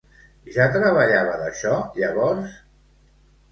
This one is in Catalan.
Ja treballava d'això llavors?